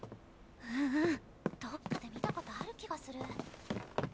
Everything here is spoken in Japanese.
うんうんどっかで見たことある気がする。